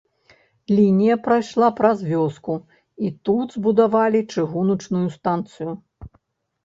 Лінія прайшла праз вёску, і тут збудавалі чыгуначную станцыю.